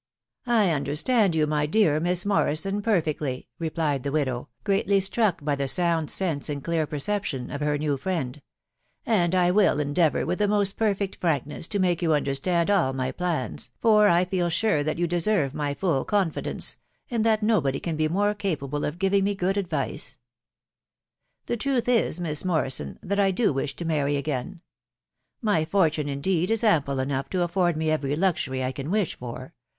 t€ I understand you, my dear Miss Morrison, perfectly," replied the widow, greatly struck by the sound sense and clear perception of her new friend ;" and I will endeavour, with the most perfect frankness, to make you understand all my plans, for I feel sure that you deserve my full confidence, and that nobody can be more capable of giving me good advice. •.. The truth is, Miss Morrison, that I do wish to marry again. My fortune, indeed, 16 ample enough to afford me every luxury I can wish for